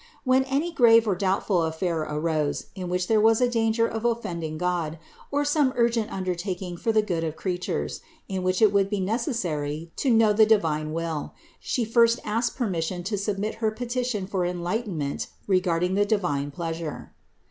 When any grave and doubt ful affair arose, in which there was danger of offending God, or some urgent undertaking for the good of crea tures, in which it would be necessary to know the divine will, She first asked permission to submit her petition for enlightenment regarding the divine pleasure.